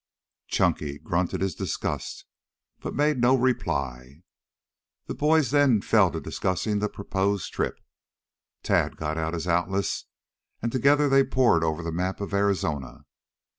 Chunky grunted his disgust, but made no reply. The boys then fell to discussing the proposed trip. Tad got out his atlas and together they pored over the map of Arizona.